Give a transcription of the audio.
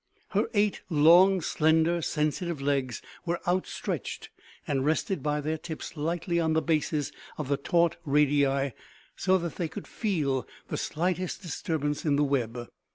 Her eight long, slender, sensitive legs were outstretched and rested by their tips lightly on the bases of the taut radii so that they could feel the slightest disturbance in the web.